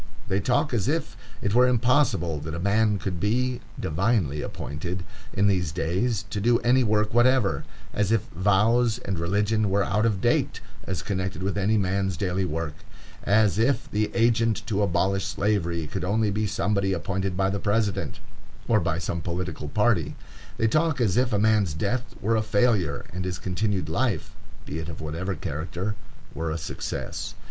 They talk as if it were impossible that a man could be "divinely appointed" in these days to do any work whatever; as if vows and religion were out of date as connected with any man's daily work; as if the agent to abolish Slavery could only be somebody appointed by the President, or by some political party. They talk as if a man's death were a failure, and his continued life, be it of whatever character, were a success.